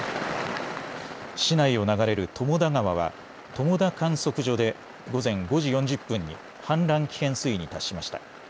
市内を流れる友田川は友田観測所で午前５時４０分に氾濫危険水位に達しました。